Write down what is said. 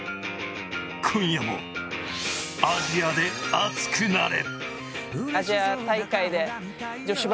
今夜もアジアで熱くなれ！